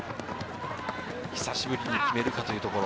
久しぶりに決めるかというところ。